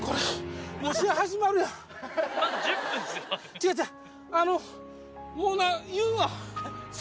違う違う！